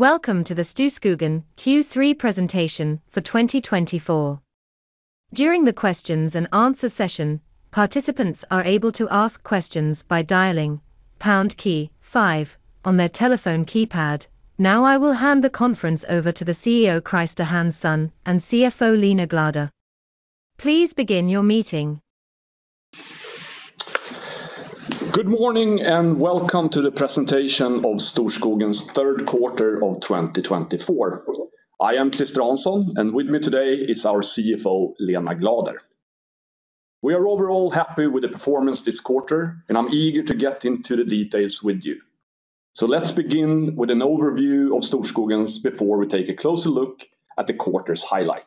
Welcome to the Storskogen Q3 presentation for 2024. During the Q&A session, participants are able to ask questions by dialing pound key five on their telephone keypad. Now I will hand the conference over to the CEO, Christer Hansson, and CFO Lena Glader. Please begin your meeting. Good morning and welcome to the presentation of Storskogen's Q3 of 2024. I am Christer Hansson, and with me today is our CFO, Lena Glader. We are overall happy with the performance this quarter, and I'm eager to get into the details with you. So let's begin with an overview of Storskogen's before we take a closer look at the quarter's highlight.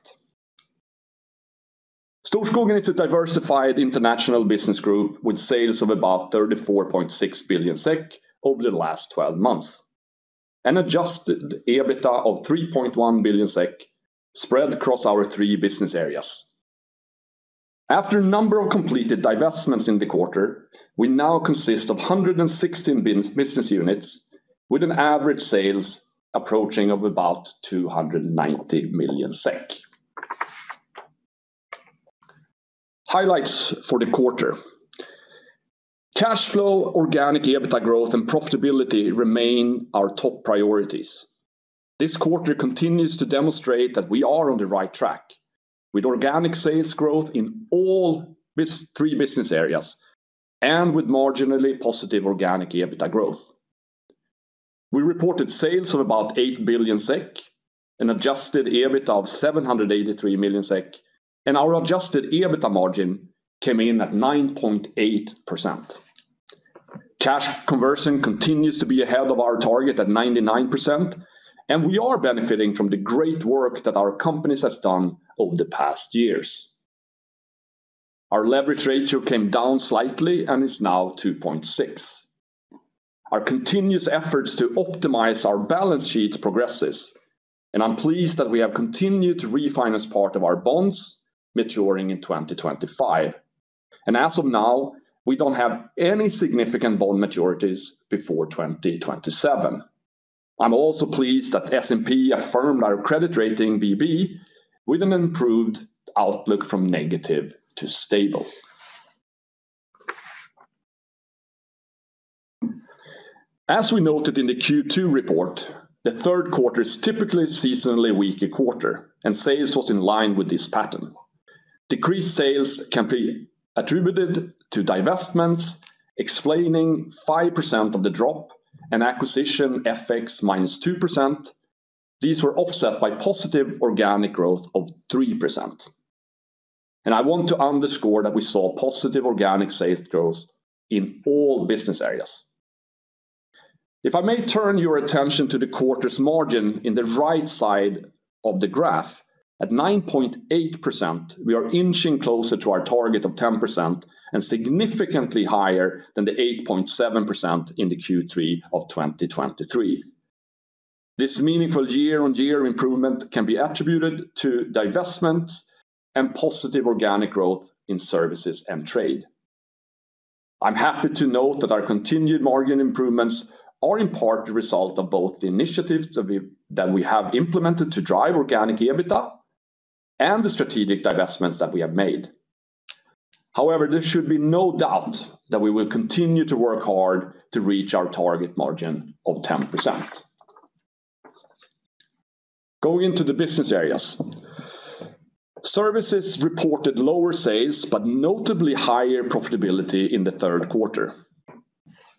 Storskogen is a diversified international business group with sales of about 34.6 billion SEK over the last 12 months, an adjusted EBITDA of 3.1 billion SEK spread across our three business areas. After a number of completed divestments in the quarter, we now consist of 116 business units, with an average sales approaching about SEK 290 million. Highlights for the quarter: cash flow, organic EBITDA growth, and profitability remain our top priorities. This quarter continues to demonstrate that we are on the right track, with organic sales growth in all three business areas and with marginally positive organic EBITDA growth. We reported sales of about 8 billion SEK, an adjusted EBITDA of 783 million SEK, and our adjusted EBITDA margin came in at 9.8%. Cash conversion continues to be ahead of our target at 99%, and we are benefiting from the great work that our companies have done over the past years. Our leverage ratio came down slightly and is now 2.6. Our continuous efforts to optimize our balance sheets progresses, and I'm pleased that we have continued to refinance part of our bonds maturing in 2025. And as of now, we don't have any significant bond maturities before 2027. I'm also pleased that S&P affirmed our credit rating BB, with an improved outlook from negative to stable. As we noted in the Q2 report, the Q3 is typically a seasonally weak quarter, and sales was in line with this pattern. Decreased sales can be attributed to divestments, explaining 5% of the drop and acquisition FX -2%. These were offset by positive organic growth of 3%., and I want to underscore that we saw positive organic sales growth in all business areas. If I may turn your attention to the quarter's margin in the right side of the graph, at 9.8%, we are inching closer to our target of 10% and significantly higher than the 8.7% in the Q3 of 2023. This meaningful year-on-year improvement can be attributed to divestments and positive organic growth in services and trade. I'm happy to note that our continued margin improvements are in part the result of both the initiatives that we have implemented to drive organic EBITDA and the strategic divestments that we have made. However, there should be no doubt that we will continue to work hard to reach our target margin of 10%. Going into the business areas, services reported lower sales but notably higher profitability in the Q3.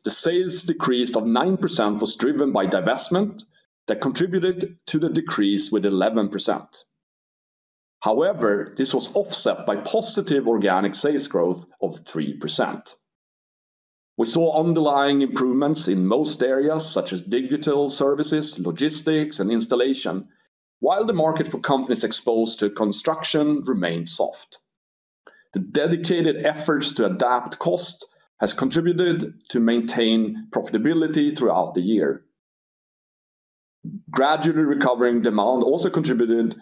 The sales decrease of 9% was driven by divestment that contributed to the decrease with 11%. However, this was offset by positive organic sales growth of 3%. We saw underlying improvements in most areas such as digital services, logistics, and installation, while the market for companies exposed to construction remained soft. The dedicated efforts to adapt costs have contributed to maintain profitability throughout the year. Gradually recovering demand also contributed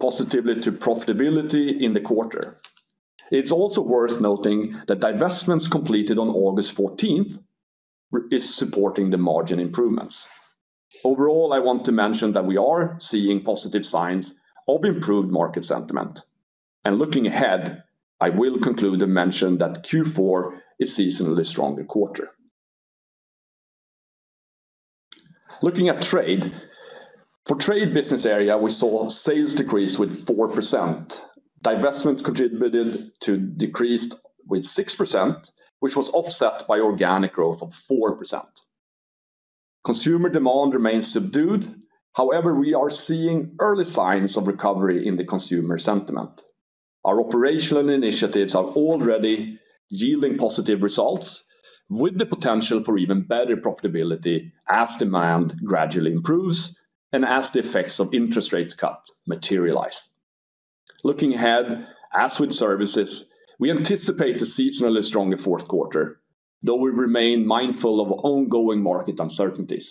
positively to profitability in the quarter. It's also worth noting that divestments completed on August 14th are supporting the margin improvements. Overall, I want to mention that we are seeing positive signs of improved market sentiment and looking ahead, I will conclude and mention that Q4 is a seasonally stronger quarter. Looking at trade, for the trade business area, we saw sales decrease with 4%. Divestments contributed to decrease with 6%, which was offset by organic growth of 4%. Consumer demand remains subdued. However, we are seeing early signs of recovery in the consumer sentiment. Our operational initiatives are already yielding positive results, with the potential for even better profitability as demand gradually improves and as the effects of interest rate cuts materialize. Looking ahead, as with services, we anticipate a seasonally stronger Q4, though we remain mindful of ongoing market uncertainties.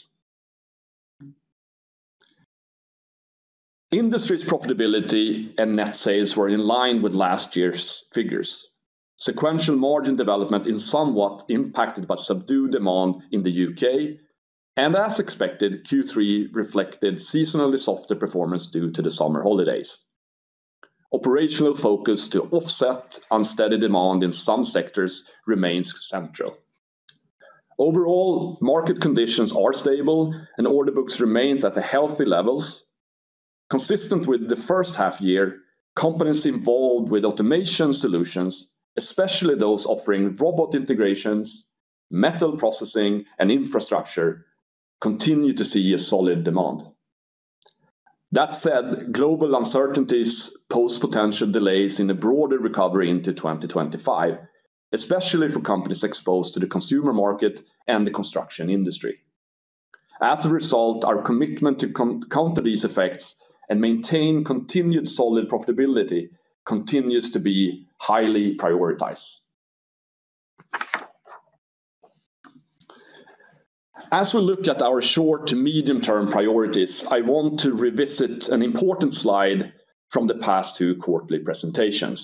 Industry's profitability and net sales were in line with last year's figures. Sequential margin development is somewhat impacted by subdued demand in the U.K., and as expected, Q3 reflected seasonally softer performance due to the summer holidays. Operational focus to offset unsteady demand in some sectors remains central. Overall, market conditions are stable, and order books remain at healthy levels. Consistent with the H1 year, companies involved with automation solutions, especially those offering robot integrations, metal processing, and infrastructure, continue to see a solid demand. That said, global uncertainties pose potential delays in the broader recovery into 2025, especially for companies exposed to the consumer market and the construction industry. As a result, our commitment to counter these effects and maintain continued solid profitability continues to be highly prioritized. As we look at our short to medium-term priorities, I want to revisit an important slide from the past two quarterly presentations.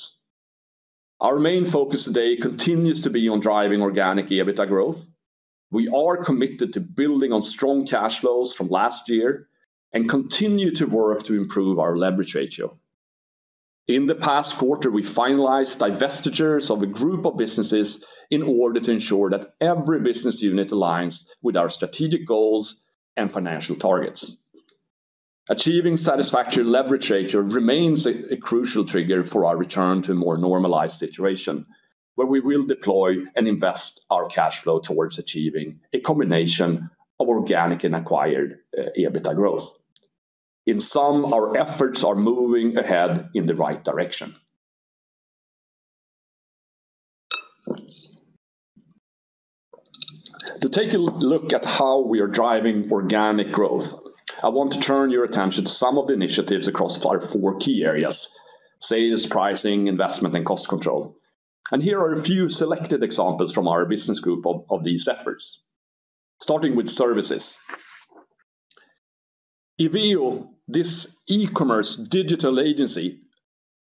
Our main focus today continues to be on driving organic EBITDA growth. We are committed to building on strong cash flows from last year and continue to work to improve our leverage ratio. In the past quarter, we finalized divestitures of a group of businesses in order to ensure that every business unit aligns with our strategic goals and financial targets. Achieving satisfactory leverage ratio remains a crucial trigger for our return to a more normalized situation, where we will deploy and invest our cash flow towards achieving a combination of organic and acquired EBITDA growth. In sum, our efforts are moving ahead in the right direction. To take a look at how we are driving organic growth, I want to turn your attention to some of the initiatives across our four key areas: sales, pricing, investment, and cost control. And here are a few selected examples from our business group of these efforts, starting with services. IVEO, this e-commerce digital agency,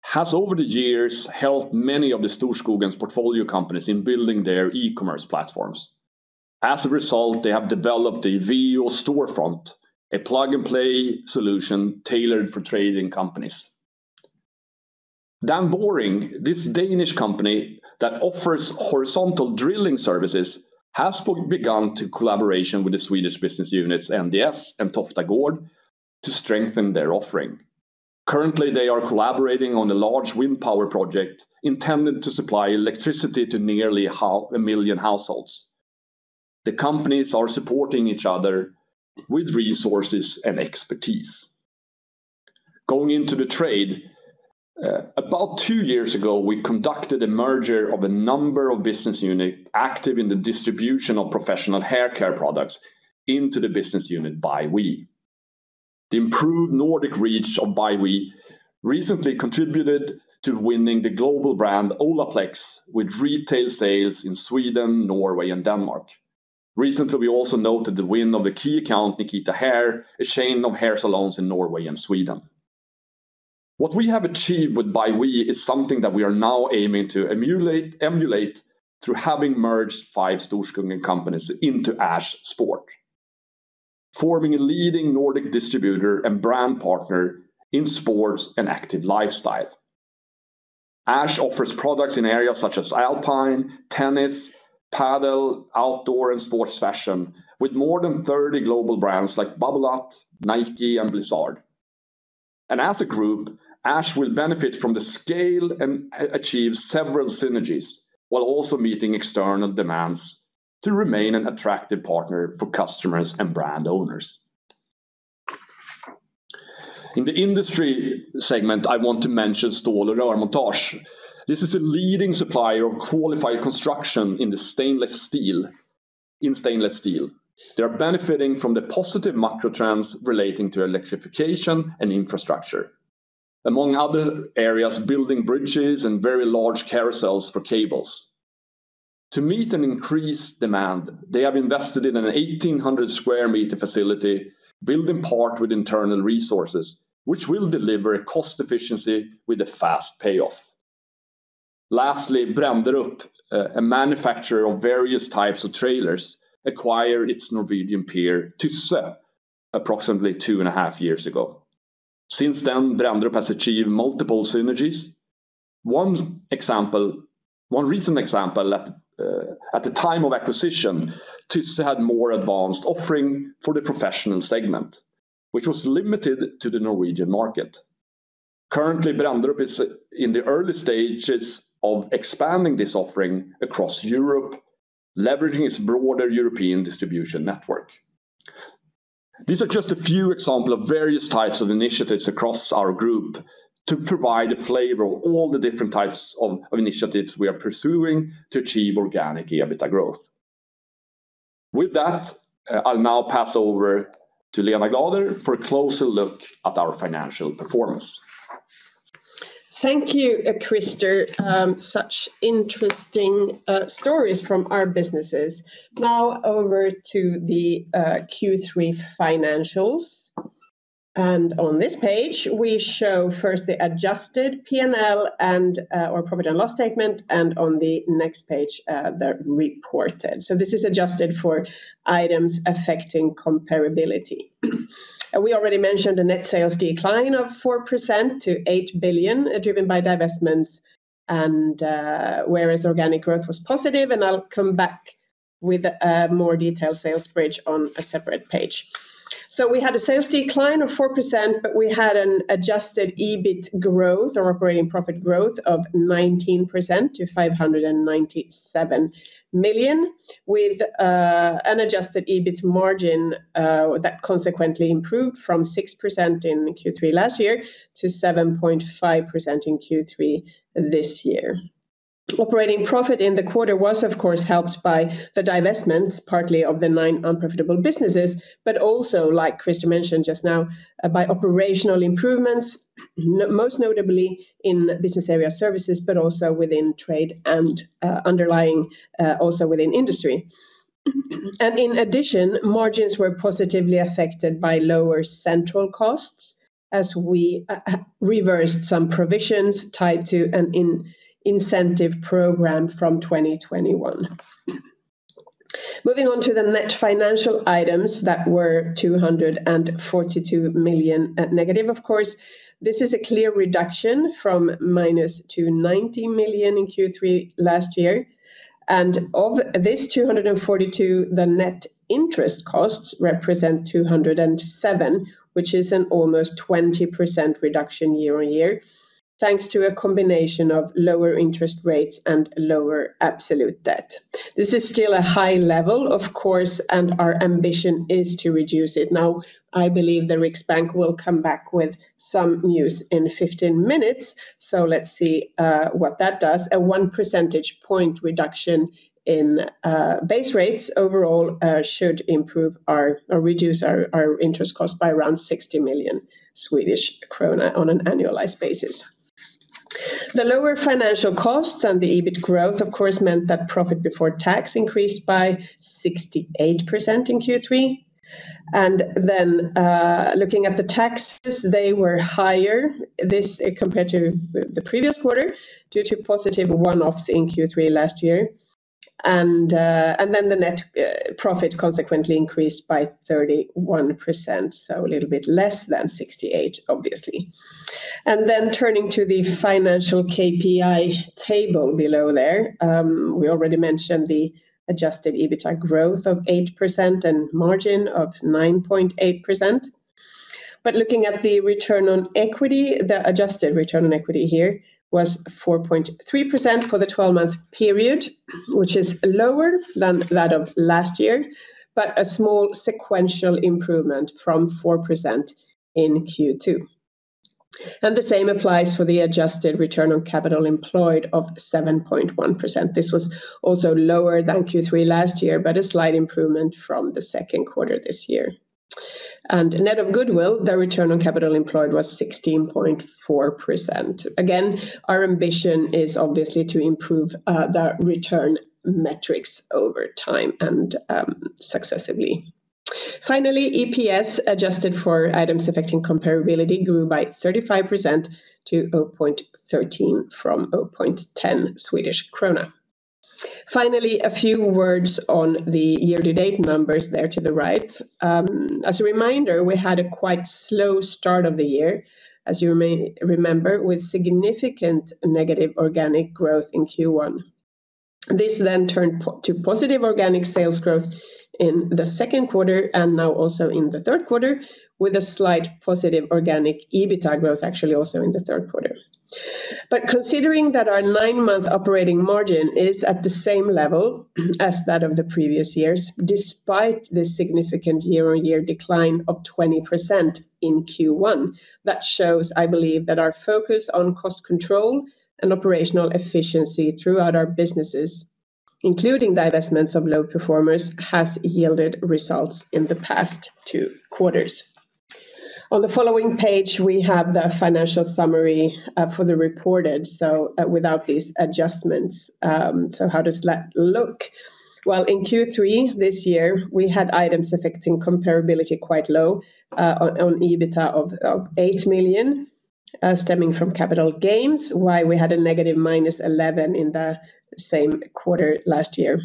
has over the years helped many of the Storskogen's portfolio companies in building their e-commerce platforms. As a result, they have developed the IVEO Storefront, a plug-and-play solution tailored for trading companies. Danboring, this Danish company that offers horizontal drilling services, has begun to collaborate with the Swedish business units NDS and Tofta Gård to strengthen their offering. Currently, they are collaborating on a large wind power project intended to supply electricity to nearly 500,000 households. The companies are supporting each other with resources and expertise. Going into the trade, about two years ago, we conducted a merger of a number of business units active in the distribution of professional haircare products into the business unit ByWe. The improved Nordic reach of ByWe recently contributed to winning the global brand Olaplex with retail sales in Sweden, Norway, and Denmark. Recently, we also noted the win of the key account Nikita Hair, a chain of hair salons in Norway and Sweden. What we have achieved with ByWe is something that we are now aiming to emulate through having merged five Storskogen companies into Ash Sport, forming a leading Nordic distributor and brand partner in sports and active lifestyle. Ash offers products in areas such as alpine, tennis, padel, outdoor, and sports fashion, with more than 30 global brands like Babolat, Nike, and Blizzard. And as a group, Ash will benefit from the scale and achieve several synergies while also meeting external demands to remain an attractive partner for customers and brand owners. In the industry segment, I want to mention Stål & Rörmontage. This is a leading supplier of qualified construction in stainless steel. They are benefiting from the positive macro trends relating to electrification and infrastructure, among other areas, building bridges and very large carousels for cables. To meet an increased demand, they have invested in an 1,800 sq m facility built in part with internal resources, which will deliver cost efficiency with a fast payoff. Lastly, Brenderup, a manufacturer of various types of trailers, acquired its Norwegian peer, Tysse, approximately two and a half years ago. Since then, Brenderup has achieved multiple synergies. One recent example: at the time of acquisition, Tysse had a more advanced offering for the professional segment, which was limited to the Norwegian market. Currently, Brenderup is in the early stages of expanding this offering across Europe, leveraging its broader European distribution network. These are just a few examples of various types of initiatives across our group to provide a flavor of all the different types of initiatives we are pursuing to achieve organic EBITDA growth. With that, I'll now pass over to Lena Glader for a closer look at our financial performance. Thank you, Christer. Such interesting stories from our businesses. Now over to the Q3 financials. And on this page, we show first the adjusted P&L and/or profit and loss statement, and on the next page, the reported. So this is adjusted for items affecting comparability. We already mentioned a net sales decline of 4% to 8 billion, driven by divestments, whereas organic growth was positive. And I'll come back with a more detailed sales bridge on a separate page. We had a sales decline of 4%, but we had an adjusted EBIT growth or operating profit growth of 19% to 597 million, with an adjusted EBIT margin that consequently improved from 6% in Q3 last year to 7.5% in Q3 this year. Operating profit in the quarter was, of course, helped by the divestments, partly of the nine unprofitable businesses, but also, like Christer mentioned just now, by operational improvements, most notably in business area services, but also within trade and underlying also within industry. In addition, margins were positively affected by lower central costs as we reversed some provisions tied to an incentive program from 2021. Moving on to the net financial items that were 242 million negative, of course. This is a clear reduction from minus 290 million in Q3 last year. Of this 242 million, the net interest costs represent 207 million, which is an almost 20% reduction year-on-year, thanks to a combination of lower interest rates and lower absolute debt. This is still a high level, of course, and our ambition is to reduce it. Now, I believe the Riksbank will come back with some news in 15 minutes, so let's see what that does. A one percentage point reduction in base rates overall should improve or reduce our interest costs by around 60 million Swedish krona on an annualized basis. The lower financial costs and the EBIT growth, of course, meant that profit before tax increased by 68% in Q3. Then looking at the taxes, they were higher compared to the previous quarter due to positive one-offs in Q3 last year. And then the net profit consequently increased by 31%, so a little bit less than 68, obviously. And then turning to the financial KPI table below there, we already mentioned the adjusted EBITDA growth of 8% and margin of 9.8%. But looking at the return on equity, the adjusted return on equity here was 4.3% for the 12-month period, which is lower than that of last year, but a small sequential improvement from 4% in Q2. And the same applies for the adjusted return on capital employed of 7.1%. This was also lower than Q3 last year, but a slight improvement from the Q2 this year. And net of goodwill, the return on capital employed was 16.4%. Again, our ambition is obviously to improve the return metrics over time and successively. Finally, EPS adjusted for items affecting comparability grew by 35% to 0.13 from 0.10 Swedish krona. Finally, a few words on the year-to-date numbers there to the right. As a reminder, we had a quite slow start of the year, as you may remember, with significant negative organic growth in Q1. This then turned to positive organic sales growth in the Q2 and now also in the Q3, with a slight positive organic EBITDA growth actually also in the Q3. But considering that our nine-month operating margin is at the same level as that of the previous years, despite the significant year-on-year decline of 20% in Q1, that shows, I believe, that our focus on cost control and operational efficiency throughout our businesses, including divestments of low performers, has yielded results in the past two quarters. On the following page, we have the financial summary for the reported, so without these adjustments. So how does that look? In Q3 this year, we had items affecting comparability quite low on EBITDA of 8 million, stemming from capital gains, while we had a negative minus 11 million in the same quarter last year.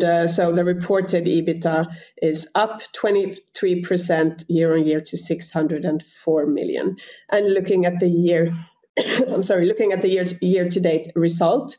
The reported EBITDA is up 23% year-on-year to 604 million. Looking at the year-to-date result,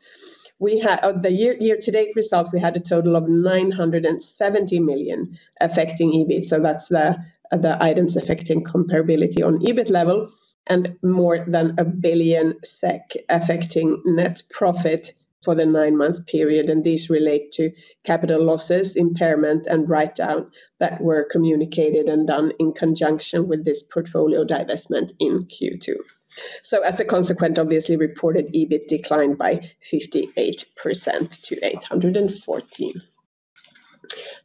we had a total of 970 million affecting EBITDA. That's the items affecting comparability on EBIT level and more than a billion SEK affecting net profit for the nine-month period. These relate to capital losses, impairment, and write-down that were communicated and done in conjunction with this portfolio divestment in Q2. As a consequence, obviously, reported EBIT declined by 58% to 814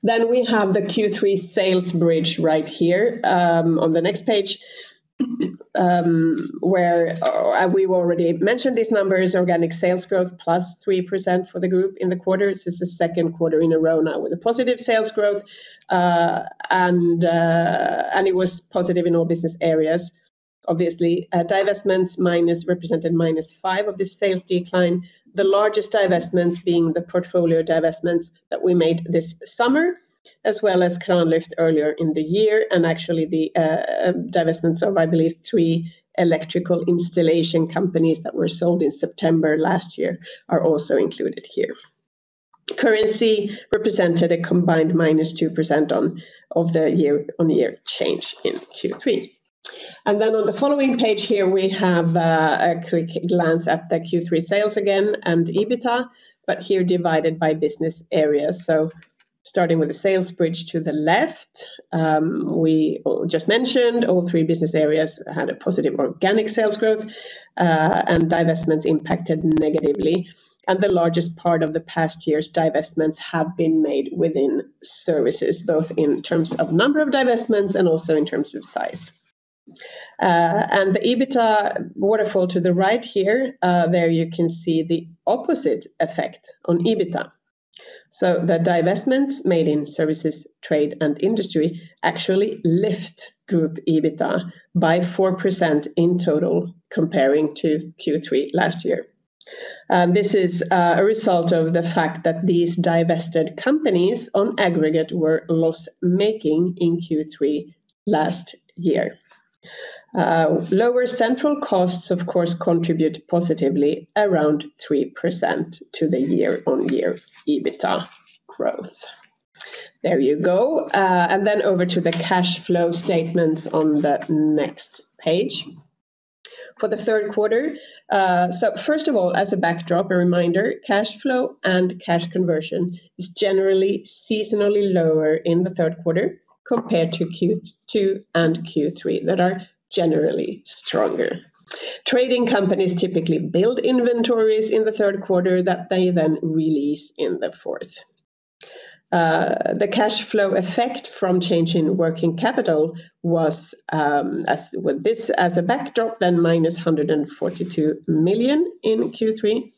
million. We have the Q3 sales bridge right here on the next page, where we already mentioned these numbers: organic sales growth plus 3% for the group in the quarter. This is the Q2 in a row now with a positive sales growth. It was positive in all business areas. Obviously, divestments represented minus 5% of this sales decline, the largest divestments being the portfolio divestments that we made this summer, as well as Kranlyft earlier in the year. Actually, the divestments of, I believe, three electrical installation companies that were sold in September last year are also included here. Currency represented a combined minus 2% of the year-on-year change in Q3. On the following page here, we have a quick glance at the Q3 sales again and EBITDA, but here divided by business areas. So starting with the sales bridge to the left, we just mentioned all three business areas had a positive organic sales growth, and divestments impacted negatively. And the largest part of the past year's divestments have been made within services, both in terms of number of divestments and also in terms of size. And the EBITDA waterfall to the right here, there you can see the opposite effect on EBITDA. So the divestments made in services, trade, and industry actually lift group EBITDA by 4% in total, comparing to Q3 last year. This is a result of the fact that these divested companies on aggregate were loss-making in Q3 last year. Lower central costs, of course, contribute positively around 3% to the year-on-year EBITDA growth. There you go. And then over to the cash flow statements on the next page. For the Q3, so first of all, as a backdrop, a reminder, cash flow and cash conversion is generally seasonally lower in the Q3 compared to Q2 and Q4 that are generally stronger. Trading companies typically build inventories in the Q3 that they then release in the fourth. The cash flow effect from changing working capital was, with this as a backdrop, then minus 142 million in Q3.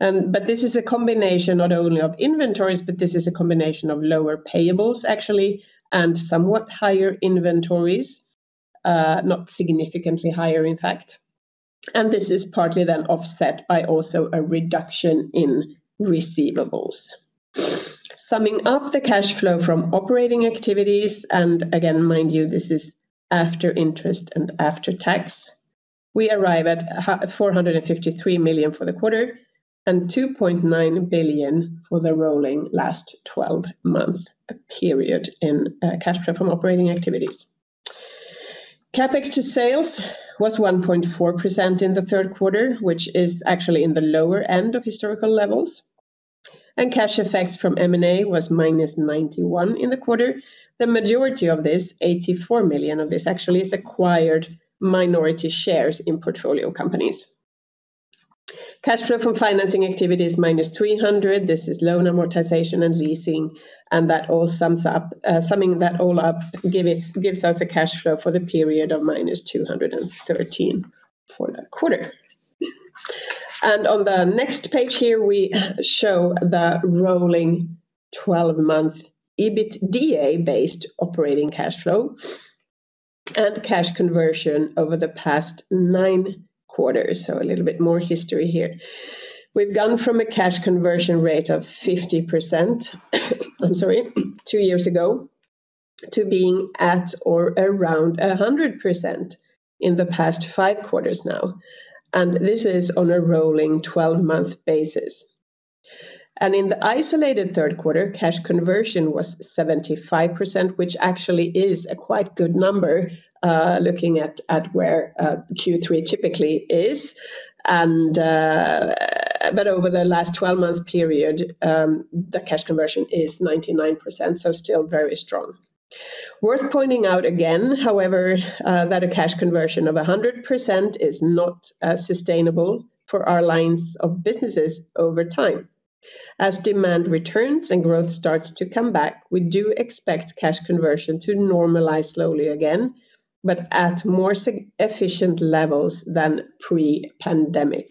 But this is a combination not only of inventories, but this is a combination of lower payables actually and somewhat higher inventories, not significantly higher in fact. And this is partly then offset by also a reduction in receivables. Summing up the cash flow from operating activities, and again, mind you, this is after interest and after tax, we arrive at 453 million for the quarter and 2.9 billion for the rolling last 12-month period in cash flow from operating activities. CapEx to sales was 1.4% in the Q3, which is actually in the lower end of historical levels, and cash effects from M&A was minus 91 million in the quarter. The majority of this, 84 million of this, actually is acquired minority shares in portfolio companies. Cash flow from financing activities minus 300 million, this is loan amortization and leasing, and that all sums up, summing that all up gives us a cash flow for the period of minus 213 million for the quarter. And on the next page here, we show the rolling 12-month EBITDA-based operating cash flow and cash conversion over the past nine quarters, so a little bit more history here. We've gone from a cash conversion rate of 50%, I'm sorry, two years ago, to being at or around 100% in the past five quarters now. And this is on a rolling 12-month basis. And in the isolated Q3, cash conversion was 75%, which actually is a quite good number looking at where Q3 typically is. And but over the last 12-month period, the cash conversion is 99%, so still very strong. Worth pointing out again, however, that a cash conversion of 100% is not sustainable for our lines of businesses over time. As demand returns and growth starts to come back, we do expect cash conversion to normalize slowly again, but at more efficient levels than pre-pandemic.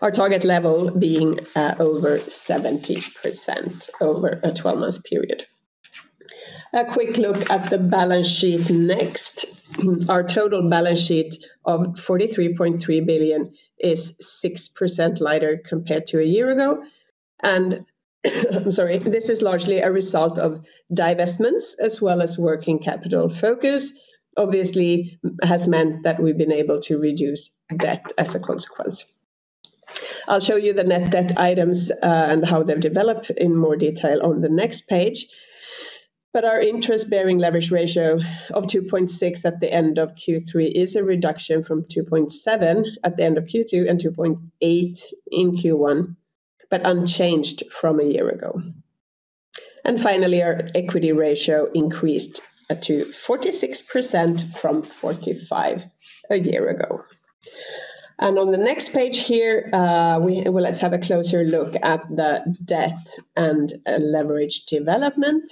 Our target level being over 70% over a 12-month period. A quick look at the balance sheet next. Our total balance sheet of 43.3 billion is 6% lighter compared to a year ago. And I'm sorry, this is largely a result of divestments as well as working capital focus. Obviously, it has meant that we've been able to reduce debt as a consequence. I'll show you the net debt items and how they've developed in more detail on the next page. But our interest-bearing leverage ratio of 2.6 at the end of Q3 is a reduction from 2.7 at the end of Q2 and 2.8 in Q1, but unchanged from a year ago. And finally, our equity ratio increased to 46% from 45% a year ago. And on the next page here, let's have a closer look at the debt and leverage development.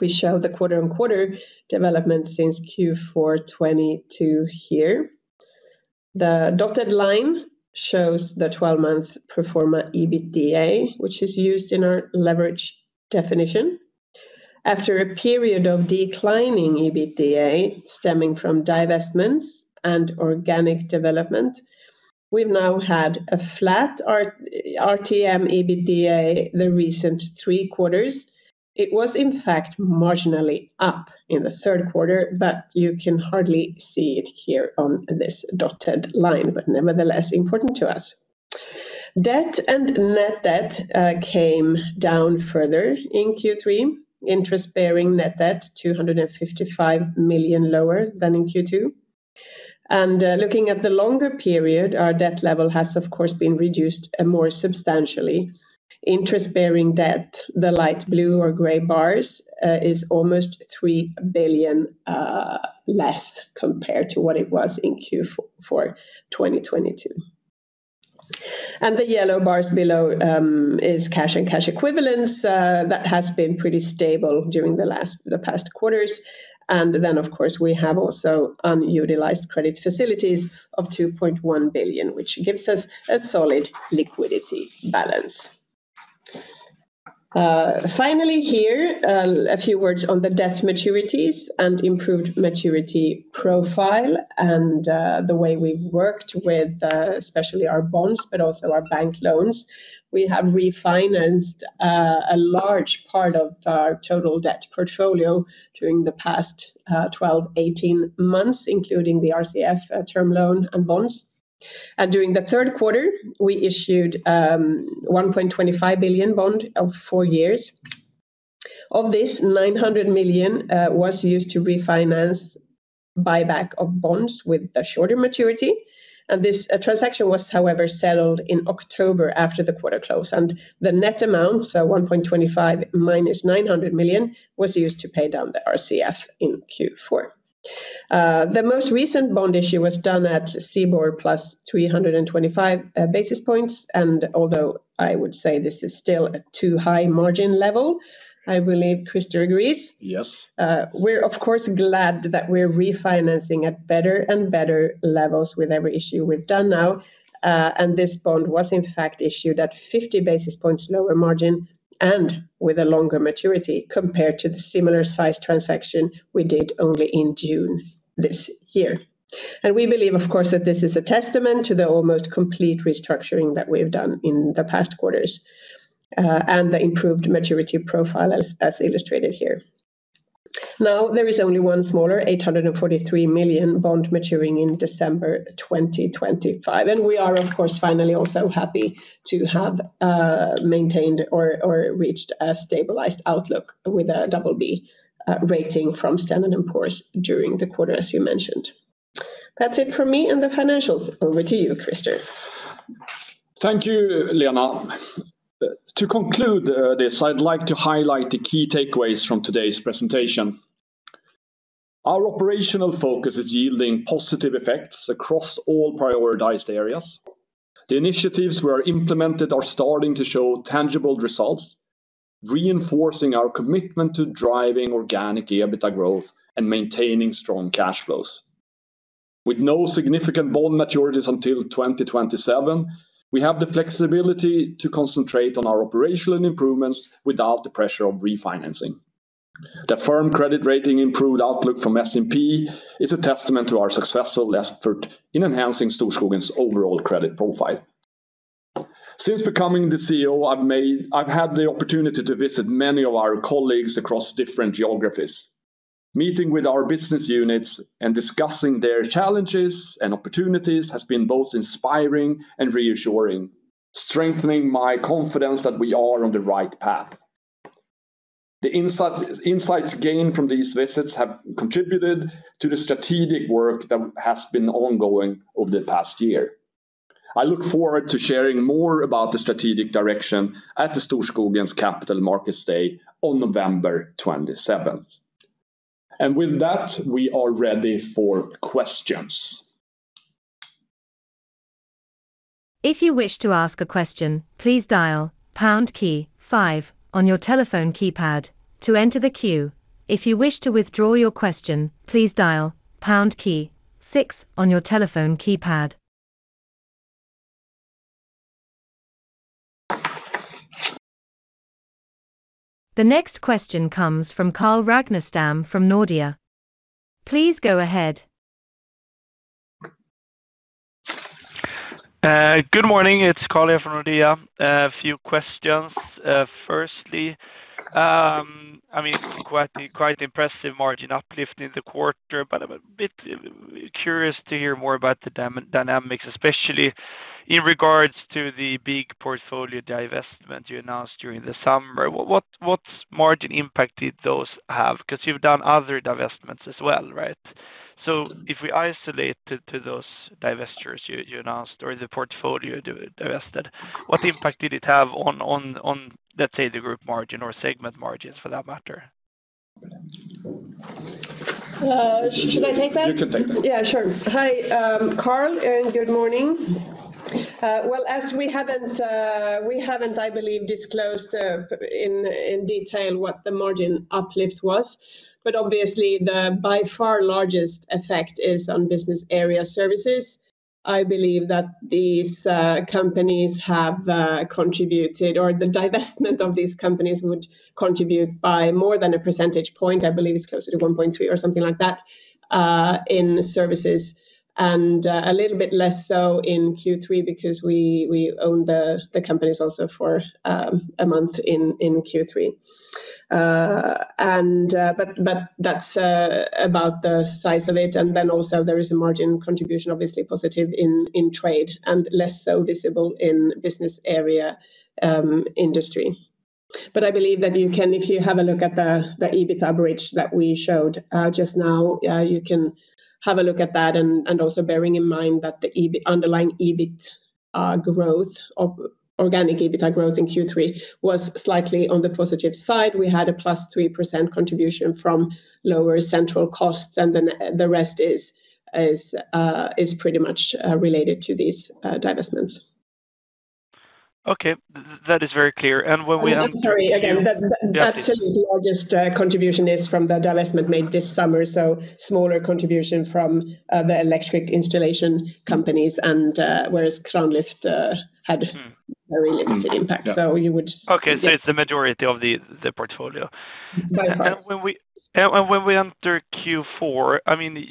We show the quarter-on-quarter development since Q4 2022 here. The dotted line shows the 12-month performer EBITDA, which is used in our leverage definition. After a period of declining EBITDA stemming from divestments and organic development, we've now had a flat RTM EBITDA the recent three quarters. It was, in fact, marginally up in the Q3, but you can hardly see it here on this dotted line, but nevertheless important to us. Debt and net debt came down further in Q3. Interest-bearing net debt 255 million lower than in Q2, and looking at the longer period, our debt level has, of course, been reduced more substantially. Interest-bearing debt, the light blue or gray bars, is almost 3 billion less compared to what it was in Q4 2022, and the yellow bars below is cash and cash equivalents that have been pretty stable during the past quarters. Then, of course, we have also unutilized credit facilities of 2.1 billion, which gives us a solid liquidity balance. Finally here, a few words on the debt maturities and improved maturity profile. The way we've worked with especially our bonds, but also our bank loans, we have refinanced a large part of our total debt portfolio during the past 12-18 months, including the RCF term loan and bonds. During the Q3, we issued 1.25 billion bond of four years. Of this, 900 million was used to refinance buyback of bonds with the shorter maturity. This transaction was, however, settled in October after the quarter close. The net amount, so 1.25 billion minus 900 million, was used to pay down the RCF in Q4. The most recent bond issue was done at STIBOR plus 325 basis points. Although I would say this is still a too high margin level, I believe Christer agrees. Yes. We're, of course, glad that we're refinancing at better and better levels with every issue we've done now. And this bond was, in fact, issued at 50 basis points lower margin and with a longer maturity compared to the similar size transaction we did only in June this year. And we believe, of course, that this is a testament to the almost complete restructuring that we've done in the past quarters and the improved maturity profile as illustrated here. Now, there is only one smaller, 843 million bond maturing in December 2025. And we are, of course, finally also happy to have maintained or reached a stabilized outlook with a double B rating from Standard & Poor's during the quarter, as you mentioned. That's it for me and the financials. Over to you, Christer. Thank you, Lena. To conclude this, I'd like to highlight the key takeaways from today's presentation. Our operational focus is yielding positive effects across all prioritized areas. The initiatives we have implemented are starting to show tangible results, reinforcing our commitment to driving organic EBITDA growth and maintaining strong cash flows. With no significant bond maturities until 2027, we have the flexibility to concentrate on our operational improvements without the pressure of refinancing. The firm's credit rating improved outlook from S&P is a testament to our successful effort in enhancing Storskogen's overall credit profile. Since becoming the CEO, I've had the opportunity to visit many of our colleagues across different geographies. Meeting with our business units and discussing their challenges and opportunities has been both inspiring and reassuring, strengthening my confidence that we are on the right path. The insights gained from these visits have contributed to the strategic work that has been ongoing over the past year. I look forward to sharing more about the strategic direction at the Storskogen's Capital Markets Day on November 27th, and with that, we are ready for questions. If you wish to ask a question, please dial pound key five on your telephone keypad to enter the queue. If you wish to withdraw your question, please dial pound key six on your telephone keypad. The next question comes from Carl Ragnerstam from Nordea. Please go ahead. Good morning. It's Carl here from Nordea. A few questions. Firstly, I mean, quite the impressive margin uplift in the quarter, but I'm a bit curious to hear more about the dynamics, especially in regards to the big portfolio divestment you announced during the summer. What margin impact did those have? Because you've done other divestments as well, right? So if we isolate to those divestitures you announced or the portfolio divested, what impact did it have on, let's say, the group margin or segment margins for that matter? Hello. Should I take that? You can take that. Yeah, sure. Hi, Carl, and good morning. Well, as we haven't, I believe, disclosed in detail what the margin uplift was, but obviously, the by far largest effect is on business area services. I believe that these companies have contributed, or the divestment of these companies would contribute by more than a percentage point. I believe it's closer to 1.3 or something like that in services, and a little bit less so in Q3 because we owned the companies also for a month in Q3. But that's about the size of it. And then also, there is a margin contribution, obviously positive in trade and less so visible in business area industry. But I believe that you can, if you have a look at the EBITDA bridge that we showed just now, you can have a look at that. Also bearing in mind that the underlying EBITDA growth, organic EBITDA growth in Q3 was slightly on the positive side. We had a +3% contribution from lower central costs, and then the rest is pretty much related to these divestments. Okay. That is very clear. And when we have. Sorry, again, that's just the largest contribution is from the divestment made this summer, so smaller contribution from the electric installation companies, whereas Kranlyft had very limited impact. So you would. Okay, so it's the majority of the portfolio. And when we enter Q4, I mean,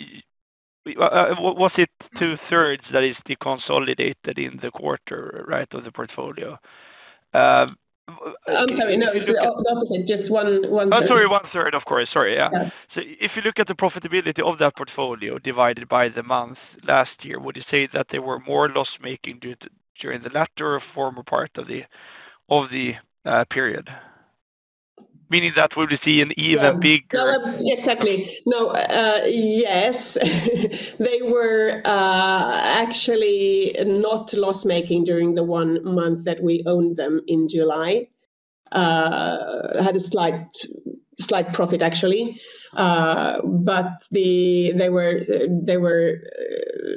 was it two-thirds that is de-consolidated in the quarter, right, of the portfolio? I'm sorry, no, it's the opposite, just one third. Oh, sorry, one third, of course. Sorry, yeah. So if you look at the profitability of that portfolio divided by the months last year, would you say that there were more loss-making during the latter or former part of the period? Meaning that we would see an even bigger. Exactly. No, yes. They were actually not loss-making during the one month that we owned them in July. Had a slight profit, actually. But they were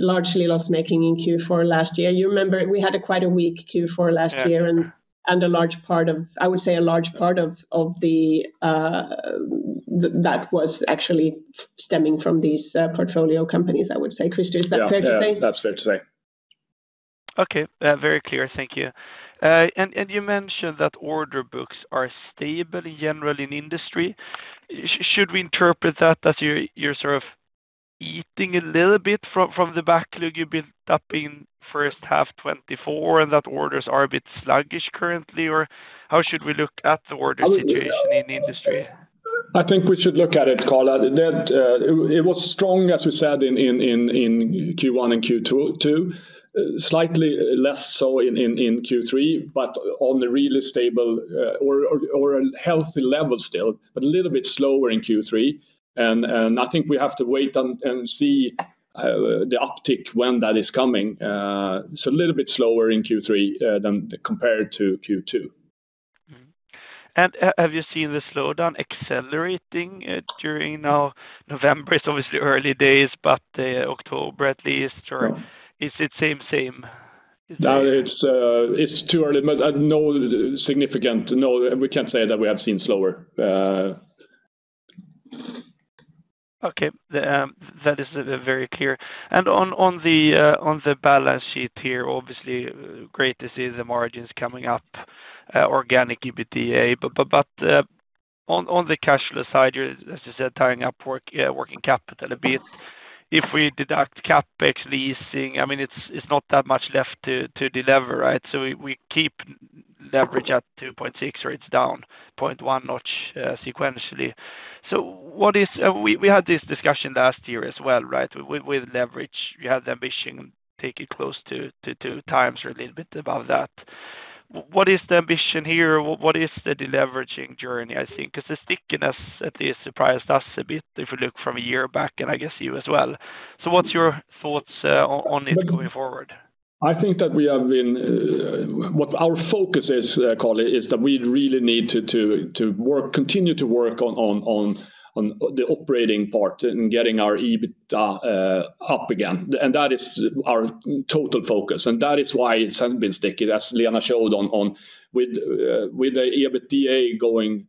largely loss-making in Q4 last year. You remember we had quite a weak Q4 last year and a large part of, I would say, a large part of that was actually stemming from these portfolio companies, I would say. Christer, is that fair to say? Yeah, that's fair to say. Okay. Very clear. Thank you. And you mentioned that order books are stable generally in industry. Should we interpret that that you're sort of eating a little bit from the backlog you've been upping H1 2024 and that orders are a bit sluggish currently? Or how should we look at the order situation in industry? I think we should look at it, Carl. It was strong, as we said, in Q1 and Q2, slightly less so in Q3, but on a really stable or a healthy level still, but a little bit slower in Q3 than compared to Q2. And have you seen the slowdown accelerating during now November? It's obviously early days, but October at least, or is it same, same? No, it's too early, but no significant, no, we can't say that we have seen slower. Okay. That is very clear, and on the balance sheet here, obviously, great to see the margins coming up, organic EBITDA, but on the cash flow side, as you said, tying up working capital a bit, if we deduct CapEx leasing, I mean, it's not that much left to deliver, right, so we keep leverage at 2.6 or it's down 0.1 notch sequentially, so we had this discussion last year as well, right? With leverage, we had the ambition to take it close to two times or a little bit above that. What is the ambition here? What is the deleveraging journey, I think? Because the stickiness at least surprised us a bit if we look from a year back, and I guess you as well, so what's your thoughts on it going forward? I think what our focus is, Carl, is that we really need to continue to work on the operating part and getting our EBITDA up again, and that is our total focus, and that is why it has been sticky. As Lena showed on with the EBITDA going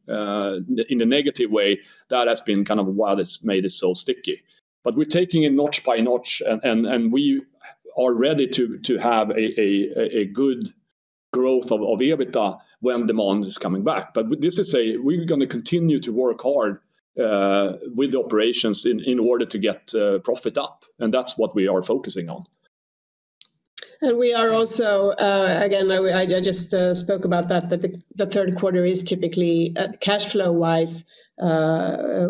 in a negative way, that has been kind of why it's made it so sticky, but we're taking it notch by notch, and we are ready to have a good growth of EBITDA when demand is coming back, but this is, we're going to continue to work hard with the operations in order to get profit up, and that's what we are focusing on. We are also, again, I just spoke about that, that the Q3 is typically cash flow-wise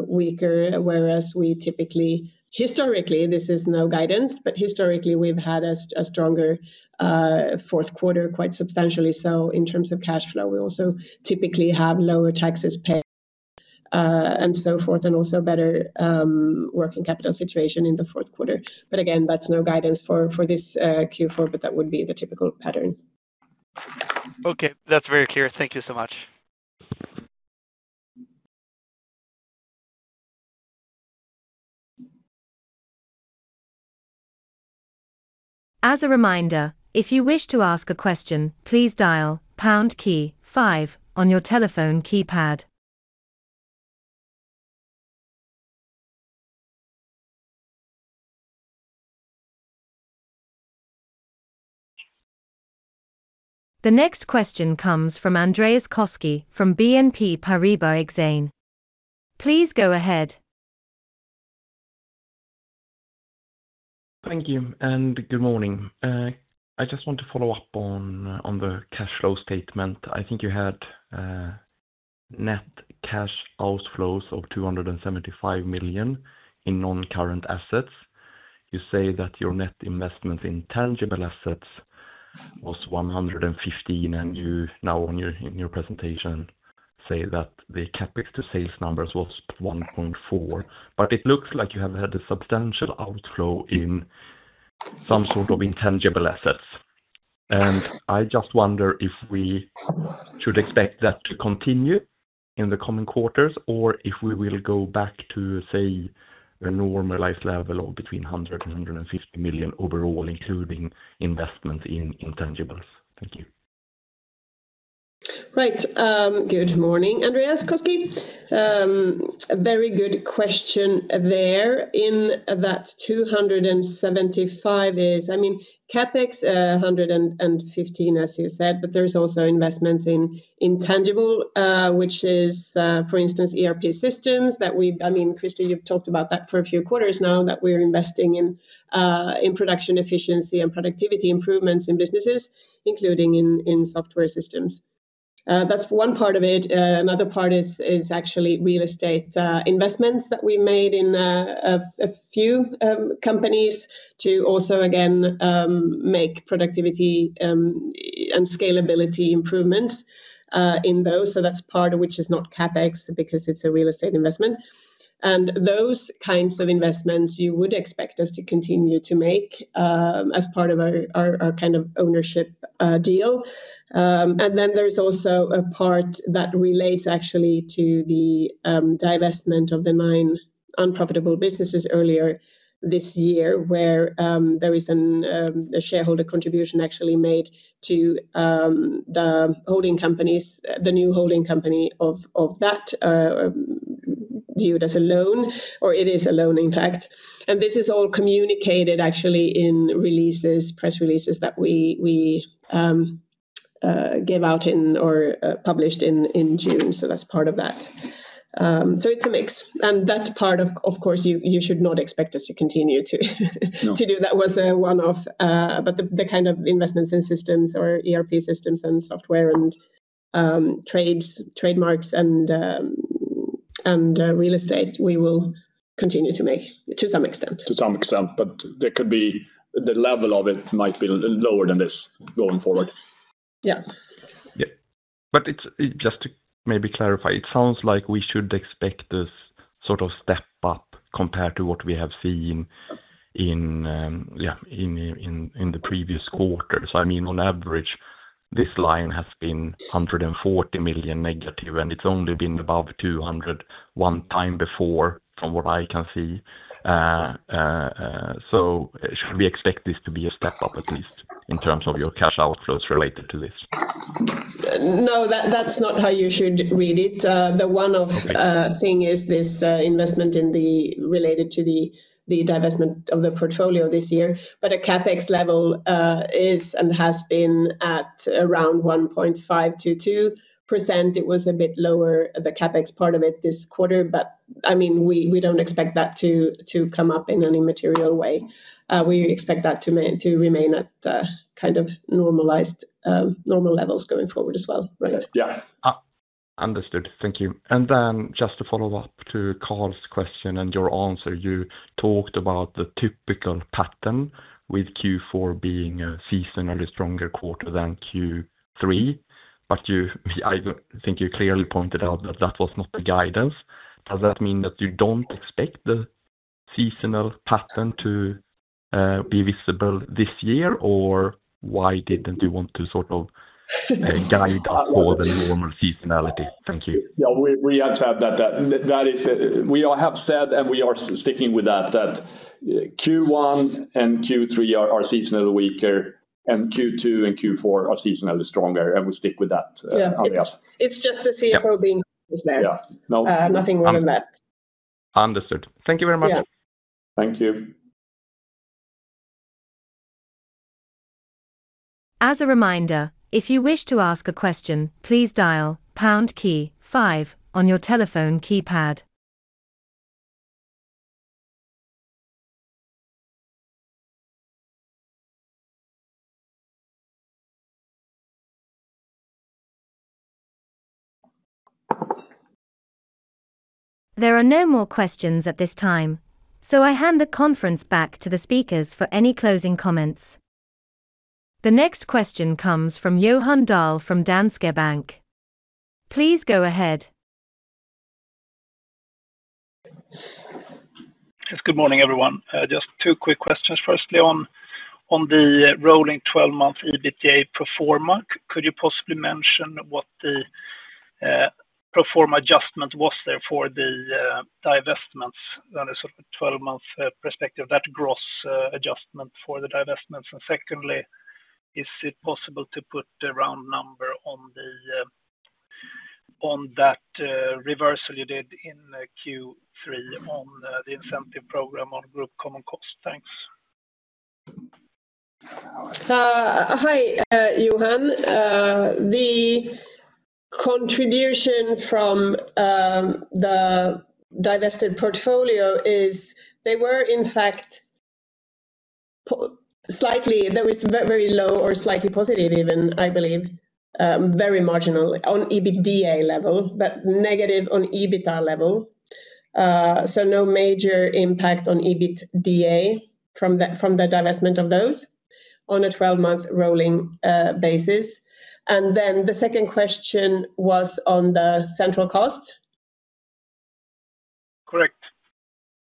weaker, whereas we typically, historically, this is no guidance, but historically, we've had a stronger Q4, quite substantially. So in terms of cash flow, we also typically have lower taxes paid and so forth, and also better working capital situation in the Q4. But again, that's no guidance for this Q4, but that would be the typical pattern. Okay. That's very clear. Thank you so much. As a reminder, if you wish to ask a question, please dial pound key five on your telephone keypad. The next question comes from Andreas Koski from BNP Paribas Exane. Please go ahead. Thank you. And good morning. I just want to follow up on the cash flow statement. I think you had net cash outflows of 275 million in non-current assets. You say that your net investment in tangible assets was 115 million, and you now, on your presentation, say that the CapEx to sales numbers was 1.4%. But it looks like you have had a substantial outflow in some sort of intangible assets. And I just wonder if we should expect that to continue in the coming quarters, or if we will go back to, say, a normalized level of between 100 million and 150 million overall, including investments in intangibles. Thank you. Right. Good morning, Andreas Koski. Very good question there. In that 275 million is, I mean, CapEx 115 million, as you said, but there's also investments in intangibles, which is, for instance, ERP systems that we—I mean, Christer, you've talked about that for a few quarters now, that we're investing in production efficiency and productivity improvements in businesses, including in software systems. That's one part of it. Another part is actually real estate investments that we made in a few companies to also, again, make productivity and scalability improvements in those. So that's part of which is not CapEx because it's a real estate investment. And those kinds of investments, you would expect us to continue to make as part of our kind of ownership deal. And then there's also a part that relates actually to the divestment of the nine unprofitable businesses earlier this year, where there is a shareholder contribution actually made to the new holding company of that viewed as a loan, or it is a loan, in fact. And this is all communicated actually in releases, press releases that we give out or published in June. So that's part of that. So it's a mix. And that part, of course, you should not expect us to continue to do. That was one of the kind of investments in systems or ERP systems and software and trademarks and real estate. We will continue to make to some extent. To some extent, but the level of it might be lower than this going forward. Yeah. But just to maybe clarify, it sounds like we should expect this sort of step up compared to what we have seen in the previous quarter. So I mean, on average, this line has been 140 million negative, and it's only been above 200 million one time before from what I can see. So should we expect this to be a step up at least in terms of your cash outflows related to this? No, that's not how you should read it. The one thing is this investment related to the divestment of the portfolio this year. But the CapEx level is and has been at around 1.5%-2%. It was a bit lower, the CapEx part of it this quarter, but I mean, we don't expect that to come up in any material way. We expect that to remain at kind of normalized normal levels going forward as well, right? Yeah. Understood. Thank you. And then just to follow up to Carl's question and your answer, you talked about the typical pattern with Q4 being a seasonally stronger quarter than Q3, but I think you clearly pointed out that that was not the guidance. Does that mean that you don't expect the seasonal pattern to be visible this year, or why didn't you want to sort of guide us for the normal seasonality? Thank you. Yeah, we had to have that. We have said, and we are sticking with that, that Q1 and Q3 are seasonally weaker, and Q2 and Q4 are seasonally stronger, and we stick with that. Yeah. It's just the CFO being there. Nothing more than that. Understood. Thank you very much. Thank you. As a reminder, if you wish to ask a question, please dial pound key five on your telephone keypad. There are no more questions at this time, so I hand the conference back to the speakers for any closing comments. The next question comes from Johan Dahl from Danske Bank. Please go ahead. Good morning, everyone. Just two quick questions. Firstly, on the rolling 12-month EBITDA pro forma, could you possibly mention what the pro forma adjustment was there for the divestments on a sort of 12-month perspective, that gross adjustment for the divestments? Secondly, is it possible to put a round number on that reversal you did in Q3 on the incentive program on group common costs? Thanks. Hi, Johan. The contribution from the divested portfolio is they were, in fact, slightly. There was very low or slightly positive even, I believe, very marginal on EBITDA level, but negative on EBIT level. So no major impact on EBITDA from the divestment of those on a 12-month rolling basis. And then the second question was on the central costs. Correct.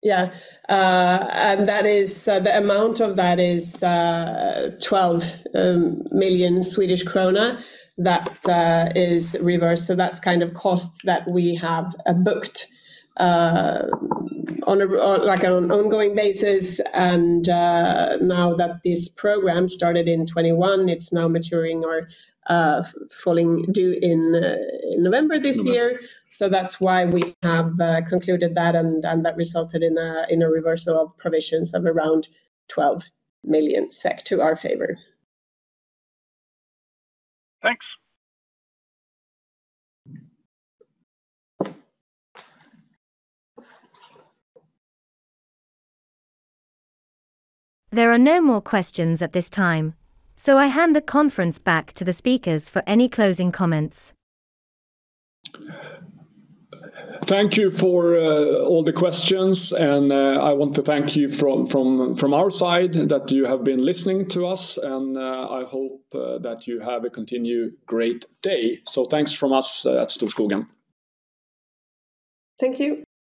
Yeah. And the amount of that is 12 million Swedish krona that is reversed. So that's kind of costs that we have booked on an ongoing basis. And now that this program started in 2021, it's now maturing or falling due in November this year. So that's why we have concluded that, and that resulted in a reversal of provisions of around 12 million SEK to our favor. Thanks. There are no more questions at this time, so I hand the conference back to the speakers for any closing comments. Thank you for all the questions, and I want to thank you from our side that you have been listening to us, and I hope that you have a continued great day. So thanks from us at Storskogen. Thank you.